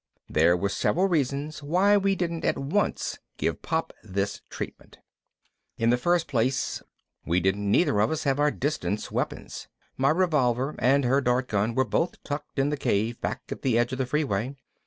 There were several reasons why we didn't at once give Pop this treatment. In the first place we didn't neither of us have our distance weapons. My revolver and her dart gun were both tucked in the cave back at the edge of the freeway.